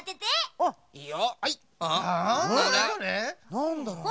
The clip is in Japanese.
なんだろうな？